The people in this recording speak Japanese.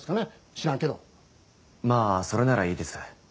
知らんけどまあそれならいいです